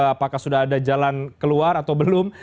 apakah sudah ada jalan keluar atau belum